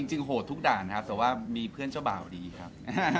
โหดทุกด่านครับแต่ว่ามีเพื่อนเจ้าบ่าวดีครับ